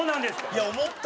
いや思った！